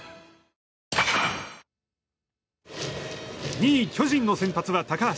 ２位巨人の先発は高橋。